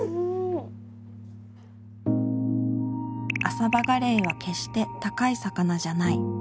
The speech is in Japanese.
アサバガレイは決して高い魚じゃない。